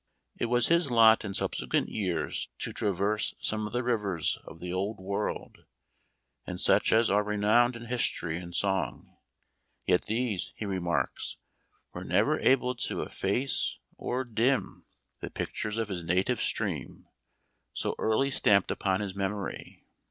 It his lot in subsequent years to tra some of the rivers of the old world, and such as are renowned in history and son_ he remarks, were never able to efface or dim 24 Memoir of Washington Irving. the pictures of his native stream, so early stamped upon his memory.